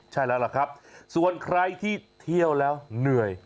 ใช่แล้วล่ะครับส่วนใครที่เที่ยวแล้วเหนื่อย